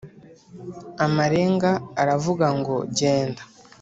Amarenga aravuga ngo genda